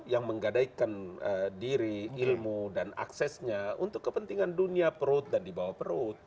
yang menggadaikan diri ilmu dan aksesnya untuk kepentingan dunia perut dan di bawah perut